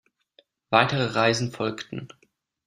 Weitere Reisen folgten.